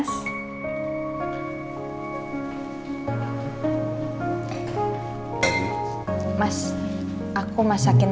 sepanjang of siang